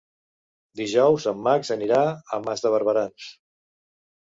Dijous en Max anirà a Mas de Barberans.